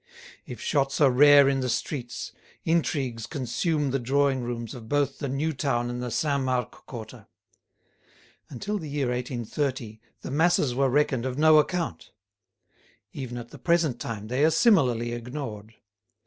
If shots are rare in the streets, intrigues consume the drawing rooms of both the new town and the Saint Marc quarter. Until the year 1830 the masses were reckoned of no account. Even at the present time they are similarly ignored.